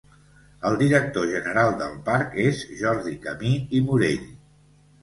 El directori general del parc és Jordi Camí i Morell.